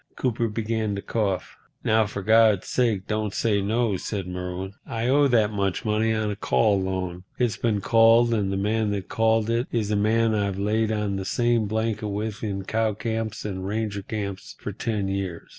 Cooper began to cough. "Now, for God's sake don't say no," said Merwin. "I owe that much money on a call loan. It's been called, and the man that called it is a man I've laid on the same blanket with in cow camps and ranger camps for ten years.